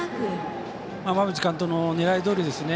馬淵監督の狙いどおりですね。